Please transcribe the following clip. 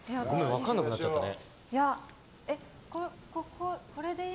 分かんなくなっちゃったね。